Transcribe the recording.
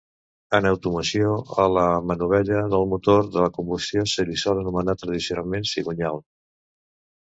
En automoció, a la manovella del motor de combustió se li sol anomenar, tradicionalment, cigonyal.